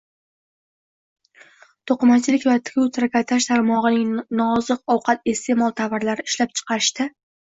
To’qimachilik va tikuv-trikotaj tarmog’ining nooziq-ovqat iste’mol tovarlari ishlab chiqarishda